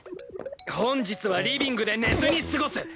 本日はリビングで寝ずに過ごす！